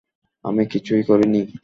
আমি কিছুই করিনি।